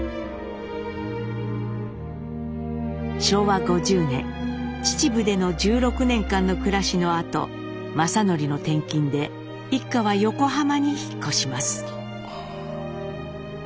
昭和５０年秩父での１６年間の暮らしのあと正順の転勤で一家は横浜に引っ越します。